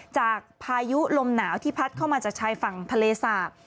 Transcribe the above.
พายุลมหนาวที่พัดเข้ามาจากชายฝั่งทะเลสาบ